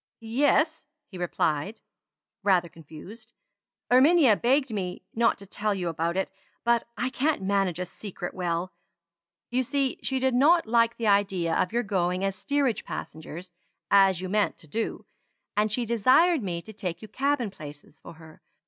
"Yes," replied he, rather confused. "Erminia begged me not to tell you about it, but I can't manage a secret well. You see she did not like the idea of your going as steerage passengers as you meant to do; and she desired me to take you cabin places for her.